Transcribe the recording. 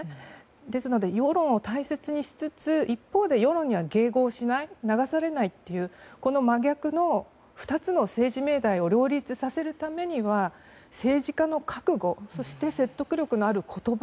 ですので世論を大切にしつつ一方で世論には迎合しない流されないというこの真逆の２つの政治命題を両立させるためには政治家の覚悟そして説得力のある言葉